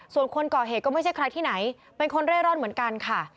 ส่วนคนก่อเหตุก็ไม่ใช่ใครที่ไหนเป็นคนเร่ร่อนเหมือนกันค่ะ